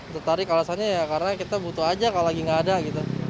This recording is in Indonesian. tertarik alasannya ya karena kita butuh aja kalau lagi nggak ada gitu